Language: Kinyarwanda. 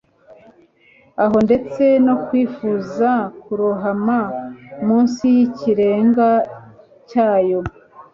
Aho ndetse no kwifuza kurohama munsi yikirenga cyayo